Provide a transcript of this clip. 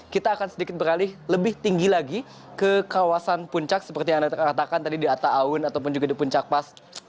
kita akan sedikit beralih lebih tinggi lagi ke kawasan puncak seperti yang anda katakan tadi di atta awun ataupun juga di puncak pas